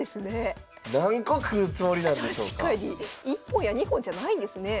１本や２本じゃないんですね。